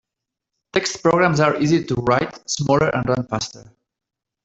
Text programs are easier to write, smaller, and run faster.